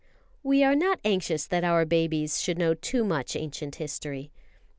We are not anxious that our babies should know too much ancient history.